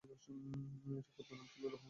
এটির পূর্বের নাম ছিল "রহমত খালি"।